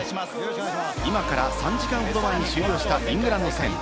今から３時間ほど前に終了したイングランド戦。